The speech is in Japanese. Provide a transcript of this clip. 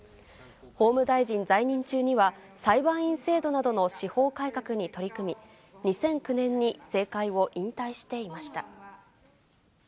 法務大臣在任中には、裁判員制度などの司法改革に取り組み、２００９年に政界を引退していました。